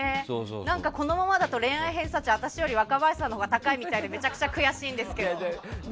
このままだと恋愛偏差値私より若林さんのほうが高いみたいでめちゃくちゃ悔しいんですけど。